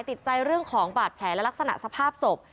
ติดใจเรื่องของบาดแผลและลักษณะสภาพศพ